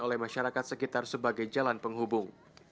oleh masyarakat sekitar sebagai jalan penghubung